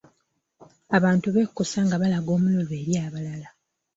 Abantu bekusa nga balaga omululu eri abalala.